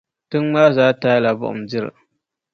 tiŋ’ maa zaa taai la buɣim diri.